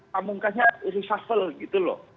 namungkannya reshuffle gitu loh